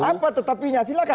apa tetapinya silahkan